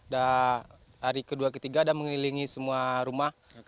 dan hari kedua ketiga udah mengelilingi semua rumah